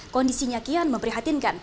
kondisinya kian memprihatinkan